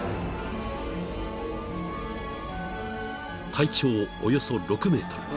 ［体長およそ６ｍ］